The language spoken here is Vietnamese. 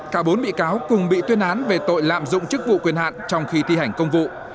cả bốn bị cáo cùng bị tuyên án về tội lạm dụng chức vụ quyền hạn trong khi thi hành công vụ